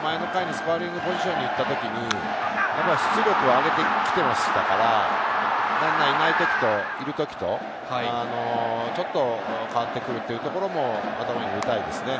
前の回にスコアリングポジションに行った時に出力を上げてきてますから、ランナーいない時といる時と、ちょっと変わってくるというところも見たいですね。